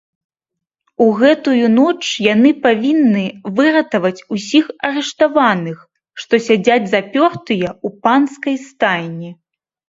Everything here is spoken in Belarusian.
У гэтую ноч яны павінны выратаваць усіх арыштаваных, што сядзяць запёртыя ў панскай стайні.